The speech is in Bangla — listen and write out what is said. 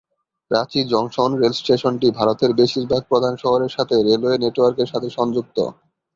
রাঁচি জংশন রেলস্টেশনটি ভারতের বেশিরভাগ প্রধান শহরের সাথে রেলওয়ে নেটওয়ার্কের সাথে সংযুক্ত।